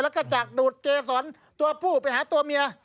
แล้วก็จากดูดเกษรตัวผู้ไปหาตัวเมีย